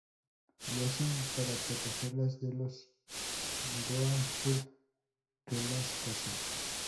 Lo hacen para protegerlas de los Goa'uld que las cazan.